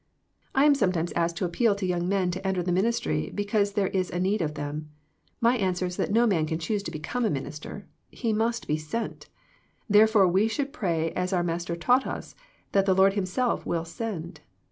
^ I am sometimes asked to appeal to young men to enter the ministry because there is a need of them. My answer is that no man can choose to become a minister — he must be sent. Therefore we should pray as our Master taught us that the Lord Himself will send.